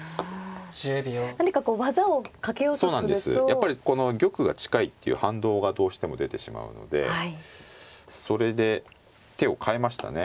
やっぱりこの玉が近いっていう反動がどうしても出てしまうのでそれで手を変えましたね。